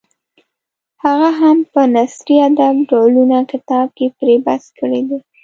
هغه هم په نثري ادب ډولونه کتاب کې پرې بحث کړی دی.